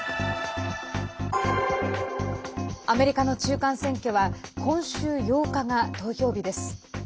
アメリカの中間選挙は今週８日が投票日です。